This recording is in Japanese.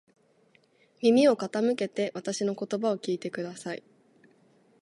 耳を傾けてわたしの言葉を聞いてください。